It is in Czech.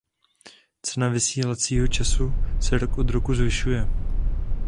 Cena vysílacího času se rok od roku zvyšuje.